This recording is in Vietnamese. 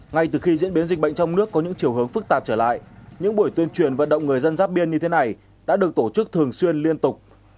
ngay từ khi diễn biến dịch bệnh trong nước có những chiều hướng phức tạp trở lại những buổi tuyên truyền vận động người dân giáp biên như thế này đã được tổ chức thường xuyên liên tục